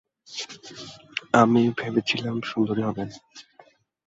আমি ভেবছিলাম সুন্দরী হবেন।